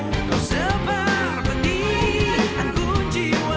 kau sebar pentingan kunciwamu